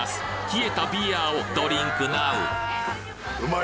冷えたビヤーをドリンクなう